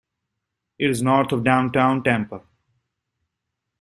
It is north of downtown Tampa.